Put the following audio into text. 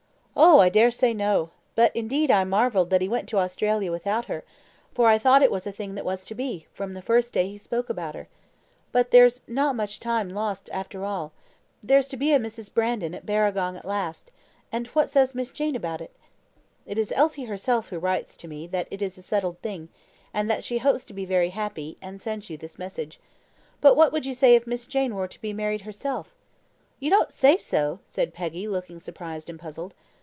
"Oh, I dare say no. But indeed I marvelled that he went to Australia without her, for I thought it was a thing that was to be, from the first day he spoke about her. But there's no much time lost after all. There's to be a Mrs. Brandon at Barragong at last and what says Miss Jean about it?" "It is Elsie herself who writes to me that it is a settled thing, and that she hopes to be very happy, and sends you this message. But what would you say if Miss Jane were to be married herself?" "You don't say so!" said Peggy, looking surprised and puzzled.